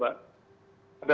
hanya empat pak empat pak